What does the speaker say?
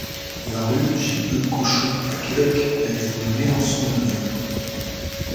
La rue J-E Cauchon à Québec a été nommée en son honneur.